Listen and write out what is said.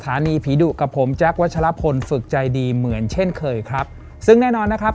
สถานีผีดุกับผมแจ๊ควัชลพลฝึกใจดีเหมือนเช่นเคยครับซึ่งแน่นอนนะครับ